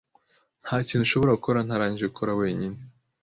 Ntakintu ushobora gukora ntarangije gukora wenyine.